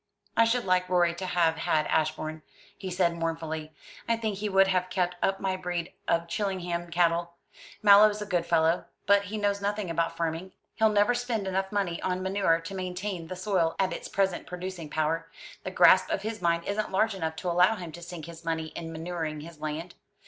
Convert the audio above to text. "I should like Rorie to have had Ashbourne," he said mournfully. "I think he would have kept up my breed of Chillingham cattle. Mallow's a good fellow, but he knows nothing about farming. He'll never spend enough money on manure to maintain the soil at its present producing power. The grasp of his mind isn't large enough to allow him to sink his money in manuring his land.